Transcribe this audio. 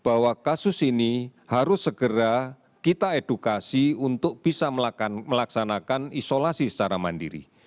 bahwa kasus ini harus segera kita edukasi untuk bisa melaksanakan isolasi secara mandiri